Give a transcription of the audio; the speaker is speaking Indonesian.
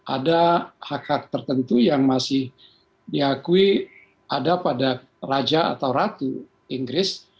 ada hak hak tertentu yang masih diakui ada pada raja atau ratu inggris